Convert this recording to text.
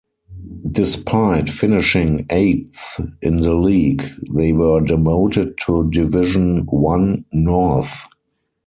Despite finishing eighth in the league, they were demoted to Division One North.